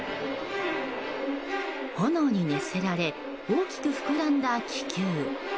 炎に熱せられ大きく膨らんだ気球。